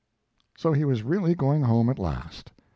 So he was really going home at last!